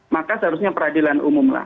maka seharusnya peradilan umum lah